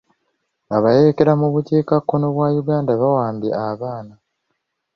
Abayeekera mu bukiikakkono bwa Uganda baawambye abaana.